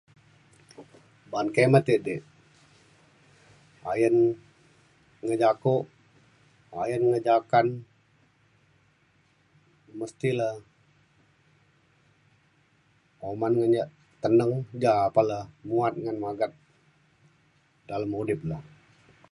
Ba’an kimet idi ayen ngejako ayen ngejakan mesti uman ngan yak teneng. Ja pa le muat ngan magat dalem udip le.